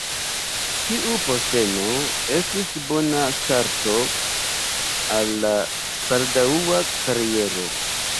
Tiu posteno estis bona starto al la baldaŭa kariero.